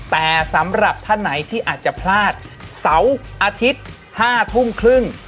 แต่สำหรับท่านไหนที่อาจจะพลาดเสาร์อาทิตย์๕ทุ่มครึ่ง